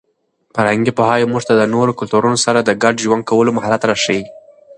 فرهنګي پوهاوی موږ ته د نورو کلتورونو سره د ګډ ژوند کولو مهارت راښيي.